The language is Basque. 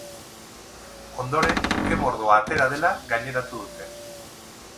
Ondoren ke-mordoa atera dela gaineratu dute.